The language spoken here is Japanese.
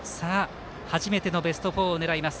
初めてのベスト４を狙います